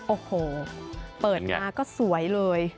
โอ้โหเปิดมาก็สวยเลย